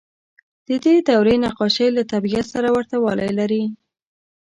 د دې دورې نقاشۍ له طبیعت سره ورته والی لري.